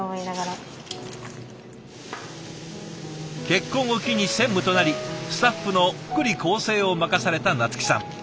結婚を機に専務となりスタッフの福利厚生を任された菜月さん。